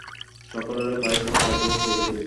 সকালের প্রায় সব কাজই সেরে ফেলেছি।